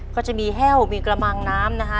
ก็จะมีแห้วมีกระมังน้ำนะฮะ